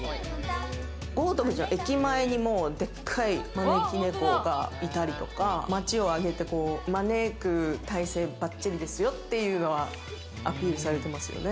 豪徳寺の駅前にもでっかい招き猫がいたりとか、町をあげて招く体制ばっちりですよっていうのはアピールされてますよね。